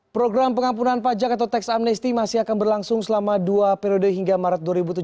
program pengampunan pajak atau tax amnesty masih akan berlangsung selama dua periode hingga maret dua ribu tujuh belas